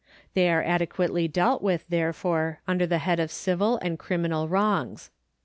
They are adequately dealt with, therefore, under the head of civil and criminal wrongs.